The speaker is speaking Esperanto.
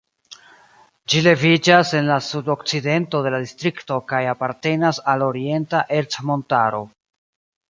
Ĝi leviĝas en la sudokcidento de la distrikto kaj apartenas al Orienta Ercmontaro.